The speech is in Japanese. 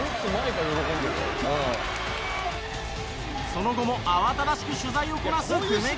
その後も慌ただしく取材をこなす久米記者。